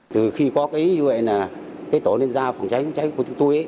từ khi có tổ liên gia phòng cháy của chúng tôi